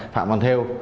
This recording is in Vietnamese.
phạm văn thêu